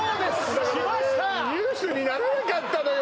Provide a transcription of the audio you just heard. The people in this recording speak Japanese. だからねニュースにならなかったのよ